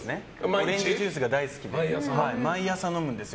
オレンジジュースが大好きで毎朝、飲むんですよ。